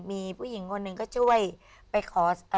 มีผู้หญิงคนหนึ่งก็ช่วยไปขอ